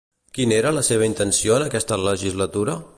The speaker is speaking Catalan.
Quina era la seva intenció en aquesta legislatura?